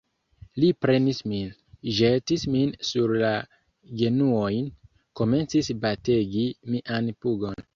Li prenis min, ĵetis min sur la genuojn, komencis bategi mian pugon.